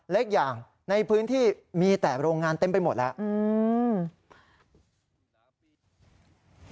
เล็กอย่างในพื้นที่มีแต่โรงงานเต็มไปหมดแล้วอืม